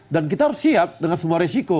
dan kita harus siap dengan semua resiko